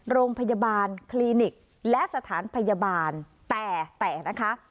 โรงพยาบาลคลินิกและสถานพยาบาลแต่แต่นะคะ